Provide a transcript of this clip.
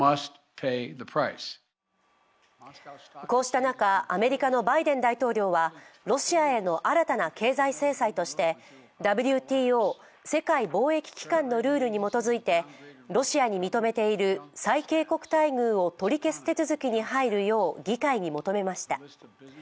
こうした中、アメリカのバイデン大統領はロシアへの新たな経済制裁としてＷＴＯ＝世界貿易機関のルールに基づいてロシアに認めている最恵国待遇を取り消す手続きに入るよう議会に求めました。